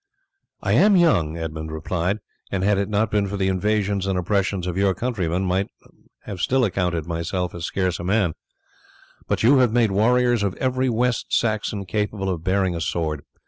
"I am young," Edmund replied, "and had it not been for the invasions and oppressions of your countrymen, might have still accounted myself as scarce a man; but you have made warriors of every West Saxon capable of bearing a sword.